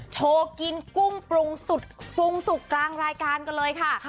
โชว์กินกุ้งปรุงสุดปรุงสุกกลางรายการกันเลยค่ะ